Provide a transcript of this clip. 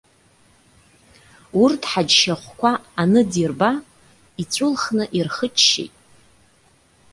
Урҭ ҳаџьшьахәқәа аныдирба, иҵәылхны ирхыччеит.